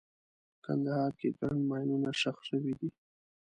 په کندهار کې ګڼ ماینونه ښخ شوي دي.